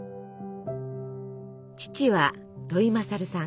父は土井勝さん。